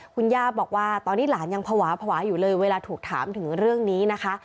คุณย่าบอกว่าตอนนี้หลานยังภาวะภาวะอยู่เลยเวลาถูกถามถึงเรื่องนี้นะคะ